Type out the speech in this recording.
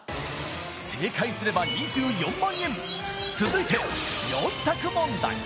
正解すれば２４万円続いて４択問題